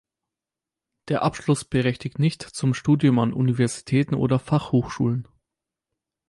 Der Abschluss berechtigt nicht zum Studium an Universitäten oder Fachhochschulen.